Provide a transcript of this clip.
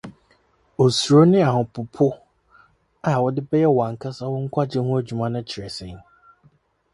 “ Osuro ne ahopopo ” a wode bɛyɛ w’ankasa nkwagye ho adwuma no kyerɛ sɛn?